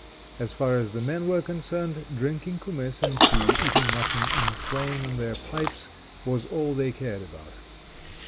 As far as the men were concerned, drinking kumiss and tea, eating mutton, and playing on their pipes, was all they cared about.